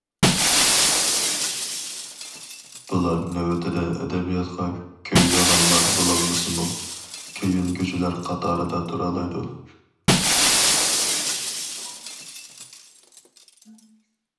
بۇلار نۆۋىتىدە ئەدەبىياتقا كۆيىدىغانلار بولالمىسىمۇ، كۆيۈنگۈچىلەر قاتارىدا تۇرالايدۇ.